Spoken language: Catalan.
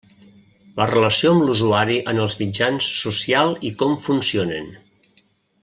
La relació amb l'usuari en els mitjans social i com funcionen.